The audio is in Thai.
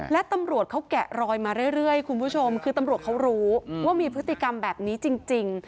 และตำรวจเขาแกะรอยมาเรื่อยคุณผู้ชมคือตำรวจเขารู้ว่ามีพฤติกรรมแบบนี้จริง